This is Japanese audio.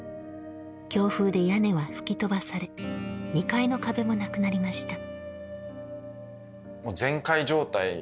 強風で屋根は吹き飛ばされ２階の壁もなくなりました。